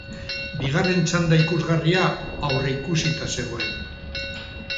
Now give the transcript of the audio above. Bigarren txanda ikusgarria aurreikusita zegoen.